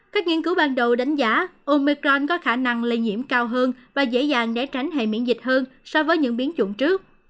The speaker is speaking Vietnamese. các nghiên cứu ban đầu đánh giá omecron có khả năng lây nhiễm cao hơn và dễ dàng để tránh hệ miễn dịch hơn so với những biến chủng trước